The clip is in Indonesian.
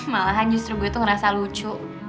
malahan justru gue itu ngerasa lucu